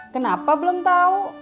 kenapa belum tahu